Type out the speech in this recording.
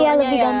iya lebih gampang